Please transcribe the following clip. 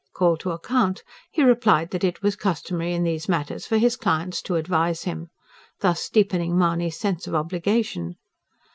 Called to account, he replied that it was customary in these matters for his clients to advise him; thus deepening Mahony's sense of obligation.